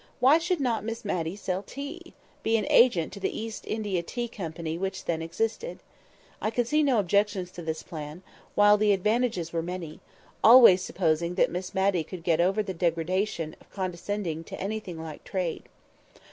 Why should not Miss Matty sell tea—be an agent to the East India Tea Company which then existed? I could see no objections to this plan, while the advantages were many—always supposing that Miss Matty could get over the degradation of condescending to anything like trade.